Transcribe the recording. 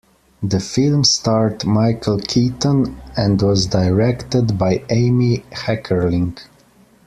The film starred Michael Keaton and was directed by Amy Heckerling.